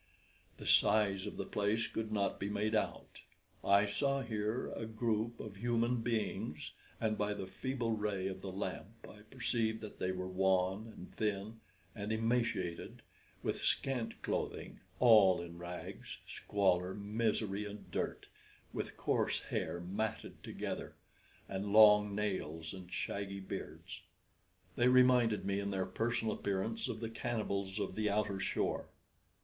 The size of the place could not be made out. I saw here a group of human beings, and by the feeble ray of the lamp I perceived that they were wan and thin and emaciated, with scant clothing, all in rags, squalor, misery, and dirt; with coarse hair matted together, and long nails and shaggy beards. They reminded me in their personal appearance of the cannibals of the outer shore.